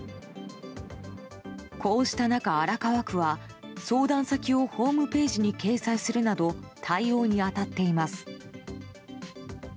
こうした中、荒川区は相談先をホームページに掲載するなど対応に当たっています。